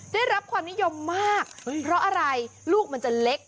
ได้รับความนิยมมากเพราะอะไรลูกมันจะเล็ก